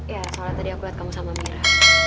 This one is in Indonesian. ya soalnya tadi aku lihat kamu sama mira